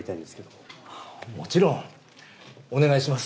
もちろんお願いします。